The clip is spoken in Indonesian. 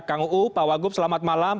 kang uu pak wagub selamat malam